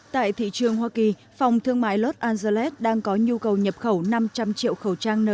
tại thị trường hoa kỳ phòng thương mại los angeles đang có nhu cầu nhập khẩu năm trăm linh triệu khẩu trang n chín mươi năm